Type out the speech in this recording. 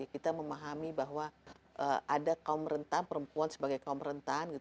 kita memahami bahwa ada kaum rentan perempuan sebagai kaum rentan